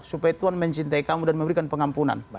supaya tuhan mencintai kamu dan memberikan pengampunan